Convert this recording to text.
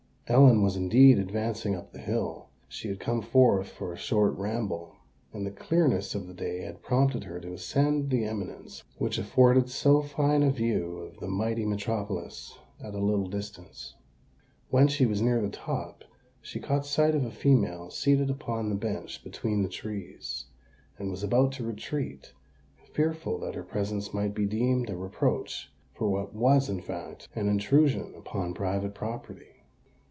Ellen was indeed advancing up the hill. She had come forth for a short ramble; and the clearness of the day had prompted her to ascend the eminence which afforded so fine a view of the mighty metropolis at a little distance. When she was near the top, she caught sight of a female seated upon the bench between the trees, and was about to retreat—fearful that her presence might be deemed a reproach for what was in fact an intrusion upon private property.